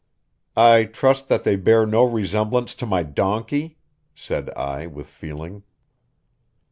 "I trust that they bear no resemblance to my donkey," said I with feeling.